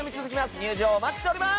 入場お待ちしています！